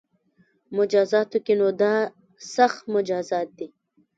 مجازاتو کې نو دا سخت مجازات دي